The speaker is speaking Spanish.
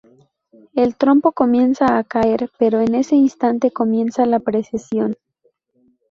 El trompo comienza a caer, pero en ese instante comienza la precesión.